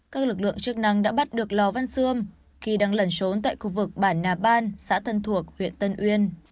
các lực lượng chức năng đã bắt được lò văn xương khi đang lẩn trốn tại khu vực bản nà ban xã thân thuộc huyện tân uyên